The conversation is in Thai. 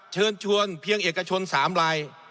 เชิญชวนเพียงเอกชน๓ลาย